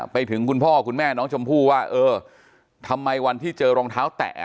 คุณพ่อคุณแม่น้องชมพู่ว่าเออทำไมวันที่เจอรองเท้าแตะ